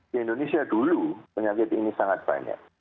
di indonesia dulu penyakit ini sangat banyak